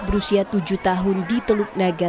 berusia tujuh tahun di teluk naga